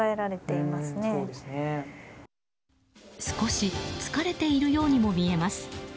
少し疲れているようにも見えます。